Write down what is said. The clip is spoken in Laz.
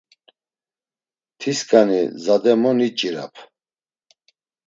Tiskani zade mo niç̌irap.